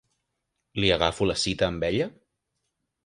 Li agafo cita amb ella?